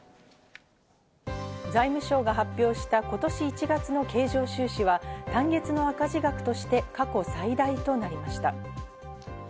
財務省が発表した今年１月の経常収支は単月の赤字額として過去最大となりました。